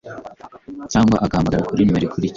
cyangwa agahamagara kuri nomero ikurikira